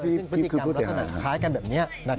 ซึ่งพฤติกรรมลักษณะคล้ายกันแบบนี้นะครับ